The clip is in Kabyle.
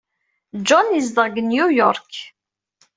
John yezdeɣ deg New York.